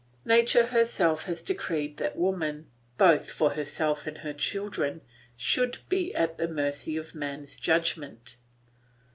Nature herself has decreed that woman, both for herself and her children, should be at the mercy of man's judgment.